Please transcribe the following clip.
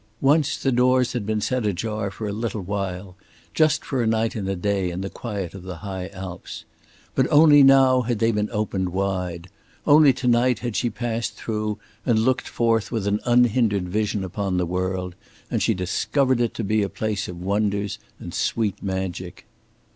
Once the doors had been set ajar for a little while just for a night and a day in the quiet of the High Alps. But only now had they been opened wide. Only to night had she passed through and looked forth with an unhindered vision upon the world; and she discovered it to be a place of wonders and sweet magic.